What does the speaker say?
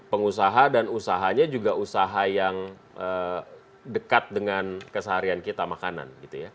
pengusaha dan usahanya juga usaha yang dekat dengan keseharian kita makanan